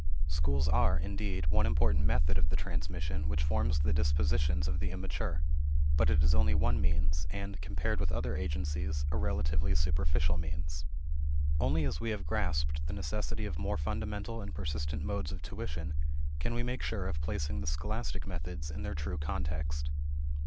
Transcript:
Schools are, indeed, one important method of the transmission which forms the dispositions of the immature; but it is only one means, and, compared with other agencies, a relatively superficial means. Only as we have grasped the necessity of more fundamental and persistent modes of tuition can we make sure of placing the scholastic methods in their true context.